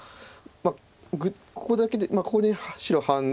ここだけでここに白半眼。